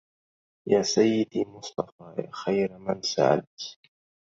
يا سيدي مصطفى يا خير من سعدت